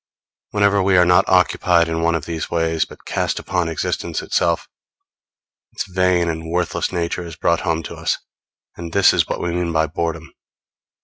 Whenever we are not occupied in one of these ways, but cast upon existence itself, its vain and worthless nature is brought home to us; and this is what we mean by boredom.